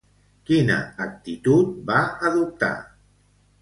Quina actitud va adoptar?